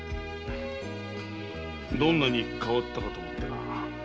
どんなに変わったかと思ってな。